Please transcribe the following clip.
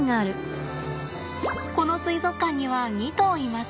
この水族館には２頭います。